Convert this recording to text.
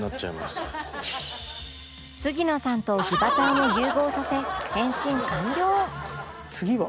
杉野さんとギバちゃんを融合させ変身完了